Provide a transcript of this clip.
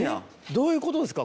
どういうことですか？